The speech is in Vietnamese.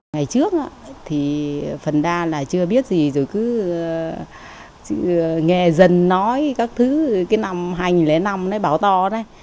ngày trước thì phần đa là chưa biết gì rồi cứ nghe dân nói các thứ cái năm hai nghìn năm nó báo to này